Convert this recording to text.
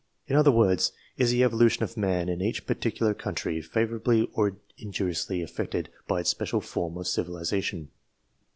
In other words, is the evolution of man in each particular country, favourably or injuriously affected by its special form of civilization